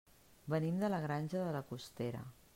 Venim de la Granja de la Costera.